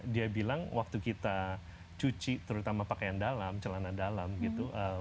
dia bilang waktu kita cuci terutama pakaian dalam celana dalam gitu